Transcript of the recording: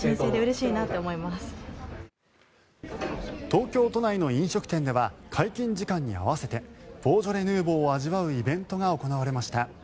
東京都内の飲食店では解禁時間に合わせてボージョレ・ヌーボーを味わうイベントが行われました。